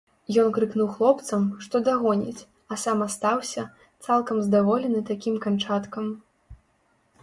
Ён крыкнуў хлопцам, што дагоніць, а сам астаўся, цалкам здаволены такім канчаткам.